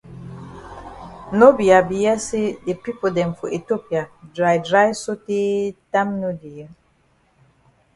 No be I hear say the pipo dem for Ethiopia dry dry so tey time no dey.